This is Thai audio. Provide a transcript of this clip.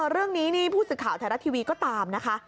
เรื่องนี้นี่ผู้สื่อข่าวไทยรัฐทีวีก็ตามนะคะ